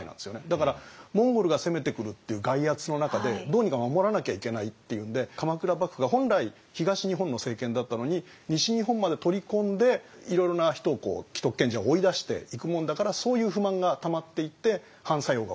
だからモンゴルが攻めてくるっていう外圧の中でどうにか守らなきゃいけないっていうんで鎌倉幕府が本来東日本の政権だったのに西日本まで取り込んでいろいろな人を既得権者を追い出していくもんだからそういう不満がたまっていって反作用が起こるっていう。